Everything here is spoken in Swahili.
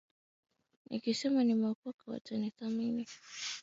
Nikisema nimeokoka, watanithamini.